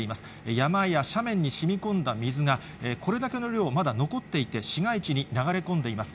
山や斜面にしみこんだ水が、これだけの量、まだ残っていて、市街地に流れ込んでいます。